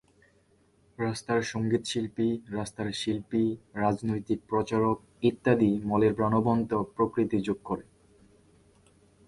রাস্তার সঙ্গীতশিল্পী, রাস্তার শিল্পী, রাজনৈতিক প্রচারক ইত্যাদি মলের প্রাণবন্ত প্রকৃতি যোগ করে।